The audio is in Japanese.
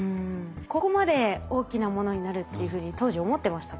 ここまで大きなものになるっていうふうに当時思ってましたか？